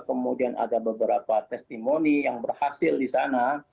kemudian ada beberapa testimoni yang berhasil di sana